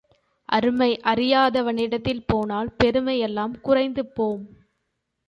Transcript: அருமை அறியாதவனிடத்தில் போனால் பெருமை எல்லாம் குறைந்து போம்.